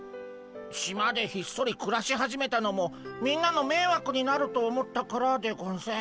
島でひっそりくらし始めたのもみんなのめいわくになると思ったからでゴンス。